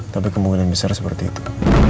tapi kemungkinan besar seperti itu